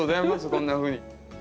こんなふうに。